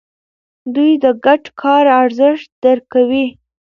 دوی د ګډ کار ارزښت درک کوي.